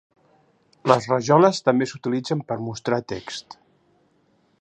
Les rajoles també s'utilitzen per mostrar text.